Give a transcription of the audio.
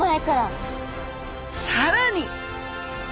さらに！